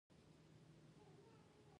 دې دروازې ته زولفی ور واچوه.